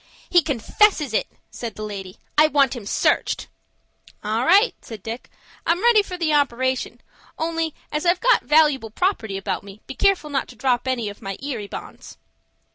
"He confesses it," said the lady; "I want him searched." "All right," said Dick, "I'm ready for the operation, only, as I've got valooable property about me, be careful not to drop any of my Erie Bonds."